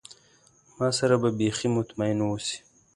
ما سره به بیخي مطمئن اوسی.